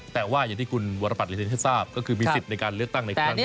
แต่ว่าอย่างที่คุณวรบัตรเรียนให้ทราบก็คือมีสิทธิ์ในการเลือกตั้งในครั้งนี้